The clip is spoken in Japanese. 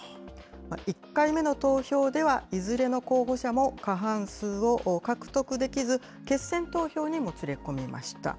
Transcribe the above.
１回目の投票ではいずれの候補者も過半数を獲得できず、決選投票にもつれ込みました。